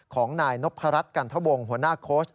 ของนายนพรัชกันทวงหัวหน้าโค้ช